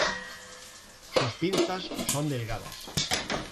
Sus pinzas son delgadas.